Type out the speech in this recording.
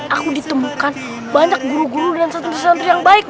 aku ditemukan banyak guru guru dan santri santri yang baik